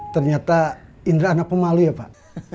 ternyata indra anak pemalu ya pak